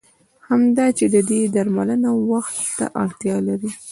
هغه دا چې د دې درملنه وخت ته اړتیا لري.